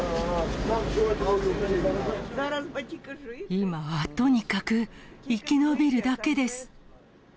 今はとにかく、生き延びるだけです。